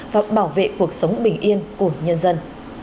và bảo vệ cuộc sống bình yên của nhân dân